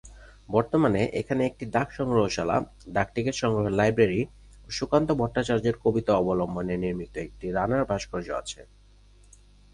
বর্তমানে এখানে একটি ডাক সংগ্রহশালা, ডাকটিকিট সংগ্রহের লাইব্রেরি ও সুকান্ত ভট্টাচার্যের কবিতা অবলম্বনে নির্মিত একটি "রানার" ভাস্কর্য আছে।